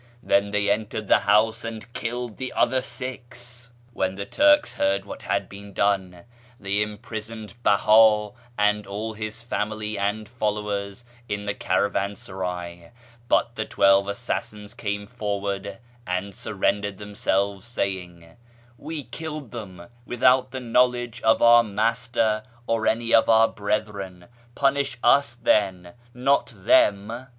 Then they entered the house and killed the other six. " When the Turks heard what had been done, they im prisoned Beha and all his family and followers in the caravan sarav, but the twelve assassins came forward and surrendered themselves, saying, ' We killed them without the knowledge of our Master or any of our brethren ; punish us, then, not them.'